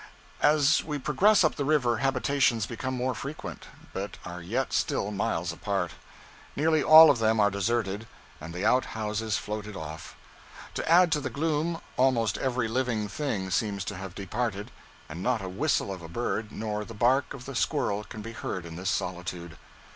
As we progress up the river habitations become more frequent, but are yet still miles apart. Nearly all of them are deserted, and the out houses floated off. To add to the gloom, almost every living thing seems to have departed, and not a whistle of a bird nor the bark of the squirrel can be heard in this solitude.